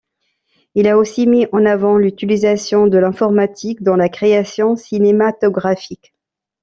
Il a aussi mis en avant l'utilisation de l'informatique dans la création cinématographique.